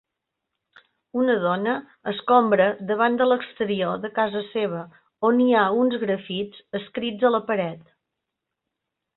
Una dona escombra davant de l'exterior de casa seva on hi ha uns grafits escrits a la partet.